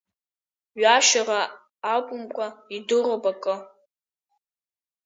Ҩашьара ақумкуа идыруп акы…